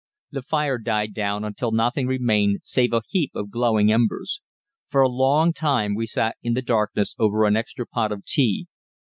The fire died down until nothing remained save a heap of glowing embers. For a long time we sat in the darkness over an extra pot of tea.